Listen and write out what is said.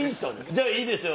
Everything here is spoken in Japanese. じゃあいいですよ